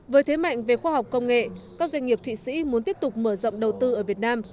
với thế mạnh về khoa học công nghệ các doanh nghiệp thụy sĩ muốn tiếp tục mở rộng đầu tư ở việt nam